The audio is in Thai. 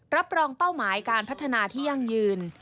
รับรองเป้าหมายการพัฒนาที่ยั่งยืน